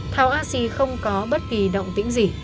thảo a xi không có bất kỳ động tĩnh gì